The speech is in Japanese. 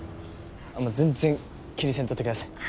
あっもう全然気にせんとってください。